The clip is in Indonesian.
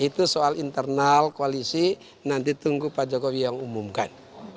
itu soal internal koalisi nanti tunggu pak jokowi yang umumkan